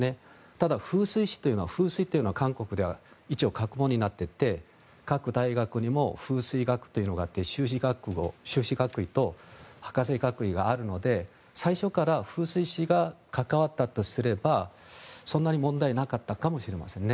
ただ、風水師というのは風水というのは韓国では一応、学問になっていて各大学にも風水学というのがあって修士学位と博士学位があるので、最初から風水師が関わったとすればそんなに問題なかったかもしれませんね。